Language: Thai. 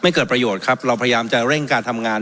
เกิดประโยชน์ครับเราพยายามจะเร่งการทำงาน